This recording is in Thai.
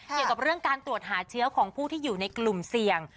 เกี่ยวกับเรื่องการตรวจหาเชื้อของผู้ที่อยู่ในกลุ่มเสี่ยง